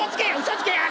嘘つけや！？